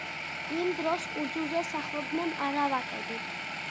იმ დროს კუნძულზე სახლობდნენ არავაკები.